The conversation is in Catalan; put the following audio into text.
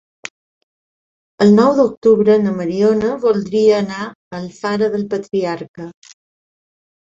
El nou d'octubre na Mariona voldria anar a Alfara del Patriarca.